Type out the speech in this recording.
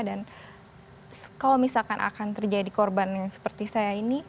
dan kalau misalkan akan terjadi korban yang seperti saya ini